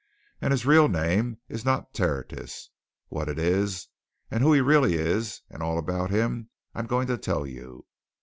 And his real name is not Tertius. What it is, and who he really is, and all about him, I'm going to tell you.